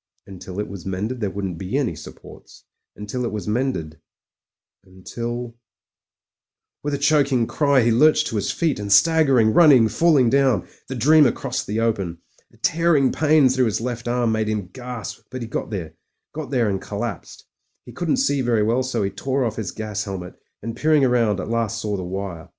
Until it was mended there wouldn't be any supports — until it was mended — ^until With a chc4cing cry he lurched to his feet: and staggering, running, falling down, the dreamer crossed the open. A tearing pain through his left arm made him gasp, but he got there — got there and collapsed. He couldn't see very well, so he tore off his gas helmet, and, peering round, at last saw the wire.